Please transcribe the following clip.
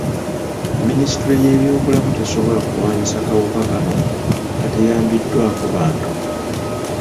Minisitule y'ebyobulamu tesobola kulwanyisa kawuka kano nga teyambiddwako bantu.